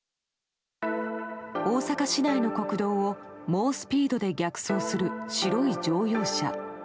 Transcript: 大阪市内の国道を猛スピードで逆走する乗用車。